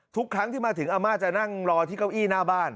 ทุกครั้งที่มาถึงอาม่าจะนั่งรอที่เก้าอี้หน้าบ้าน